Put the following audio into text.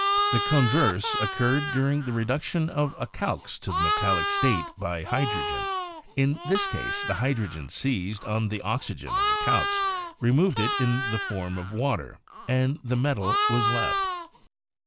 The converse oc curred during the reduction of a 'calx' to the metallic state by hydrogen. In this case the hydrogen seized on the oxygen of the 'calx,' removed it in the form of water, and the metal was left.